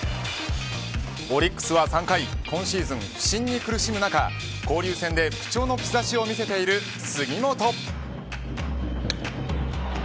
オリックスは３回今シーズン不振に苦しむ中交流戦で復調の兆しを見せている杉本。